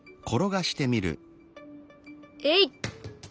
えい！